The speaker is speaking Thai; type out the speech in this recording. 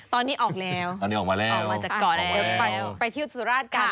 ตอนนี้ออกแล้วออกมาจากเกาะแล้วไปที่สุราชน์กลับ